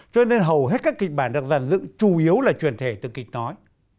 cho nên hầu hết các kịch bản được giàn dựng chủ yếu là truyền thể từ kịch nói